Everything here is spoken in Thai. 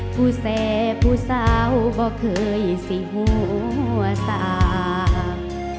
ผู้แสผู้เศร้าก็เคยสิหัวสาก